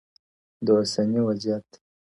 د اوسني وضعیت